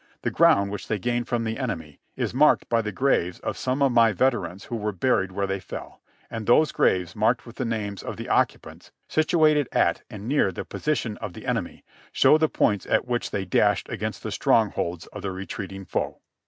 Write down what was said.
The ground which they gained from the enemy is marked by the graves of some of my veterans who were buried where they fell ; and those graves marked with the names of the occupants, situated at and near the position of the enemy, show the points at which they dashed against the strongholds of the retreating foe."